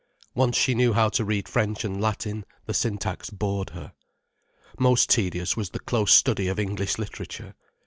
Once she knew how to read French and Latin, the syntax bored her. Most tedious was the close study of English literature.